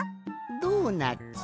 ドーナツ？